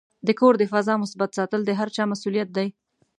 د کور د فضا مثبت ساتل د هر چا مسؤلیت دی.